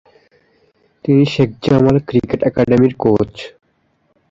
তিনি শেখ জামাল ক্রিকেট একাডেমির কোচ।